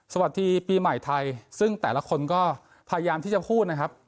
สวัสดีปีใหม่ไทยซึ่งแต่ละคนก็พยายามที่จะพูดนะครับ